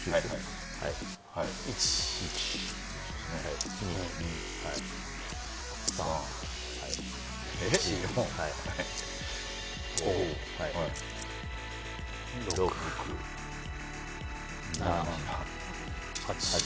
１、２、３、４５、６、７、８。